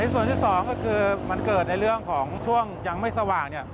ส่วนที่๒ก็คือมันเกิดในเรื่องของช่วงยังไม่สว่าง